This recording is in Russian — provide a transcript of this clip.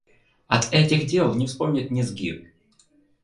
От этих дел не вспомнят ни зги.